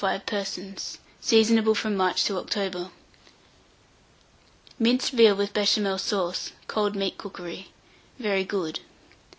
Sufficient for 4 or 5 persons. Seasonable from March to October. MINCED VEAL, with Béchamel Sauce (Cold Meat Cookery). (Very Good.)